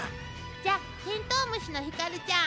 じゃテントウムシのひかるちゃん。